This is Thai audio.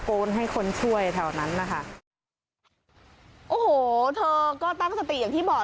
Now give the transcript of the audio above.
โอ้โฮเธอก็ตั้งสติอย่างที่บอก